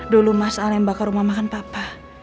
dulu mas al yang bakar rumah makan papa